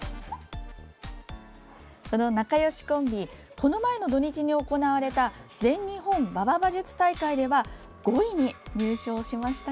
この前の土日に行われた全日本馬場馬術大会では５位に入賞しました。